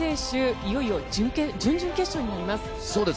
いよいよ準々決勝になります。